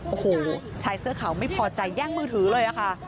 โอ้โหชายเสื้อขาวไม่พอใจแย่งมือถือเลยค่ะ